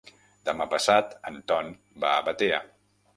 Demà passat en Ton va a Batea.